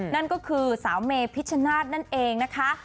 นั่นก็คือสาวเมพิชชนาธิ์นั่นเองนะคะ